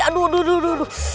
aduh aduh aduh aduh